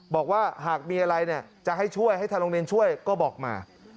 บอกว่าหากมีอะไรจะให้ช่วยให้ทางโรงเรียนช่วยก็บอกมา